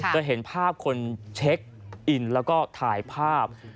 จะเห็นภาพคนเช็คอินแล้วก็ถ่ายภาพ